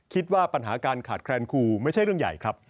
คิดว่าปัญหาการขาดแคลนครูไม่ใช่เรื่องใหญ่ครับ